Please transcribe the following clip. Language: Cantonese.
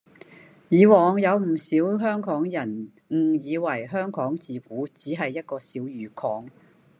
以往有唔少香港人誤以為香港自古只係一個小漁港